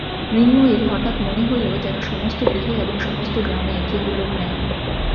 মৃন্ময়ীর হঠাৎ মনে হইল যেন সমস্ত গৃহে এবং সমস্ত গ্রামে কেহ লোক নাই।